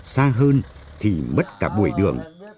xa hơn thì mất cả buổi đường